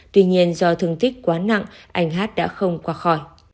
tuy nhiên do thương tích quá nặng anh hát đã không qua khỏi